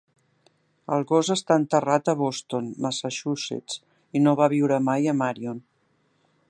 El gos està enterrat a Boston, Massachusetts i no va viure mai a Marion.